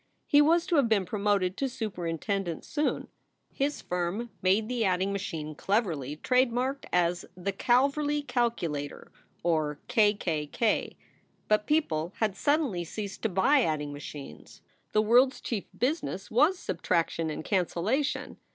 He was to have been promoted to superin tendent soon. His firm made the adding machine cleverly trade marked as the Kalverly Kalkulator, or "K K K." But people had suddenly ceased to buy adding machines. The world s chief business was subtraction and cancellation.